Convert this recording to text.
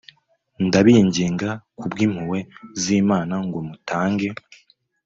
ndabinginga ku bw impuhwe z Imana ngo mutange